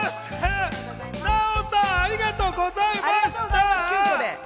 ナヲさん、ありがとうございました！